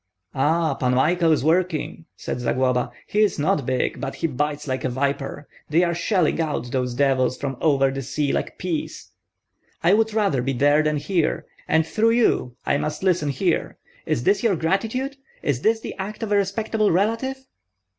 "Ah, Pan Michael is working," said Zagloba. "He is not big, but he bites like a viper. They are shelling out those devils from over the sea like peas. I would rather be there than here, and through you I must listen here. Is this your gratitude? Is this the act of a respectable relative?"